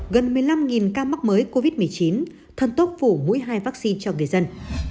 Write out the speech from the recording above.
gần một mươi năm ca mắc mới covid một mươi chín thần tốc phủ mũi hai vaccine cho người dân